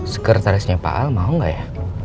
sekretarisnya pak al mau nggak ya